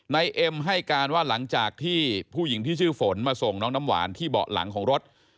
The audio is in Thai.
เอ็มให้การว่าหลังจากที่ผู้หญิงที่ชื่อฝนมาส่งน้องน้ำหวานที่เบาะหลังของรถ